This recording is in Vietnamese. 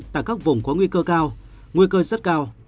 tại các vùng có nguy cơ cao nguy cơ rất cao